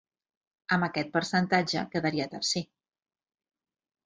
Amb aquest percentatge quedaria tercer.